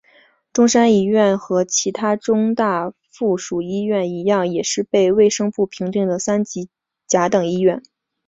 中山一院和其它中大附属医院一样也是被卫生部评定的三级甲等医院。